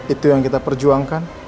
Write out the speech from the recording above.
itu yang kita perjuangkan